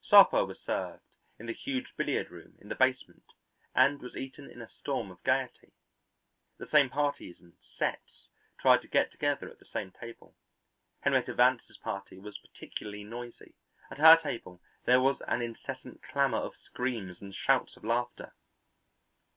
Supper was served in the huge billiard room in the basement and was eaten in a storm of gayety. The same parties and "sets" tried to get together at the same table; Henrietta Vance's party was particularly noisy: at her table there was an incessant clamour of screams and shouts of laughter.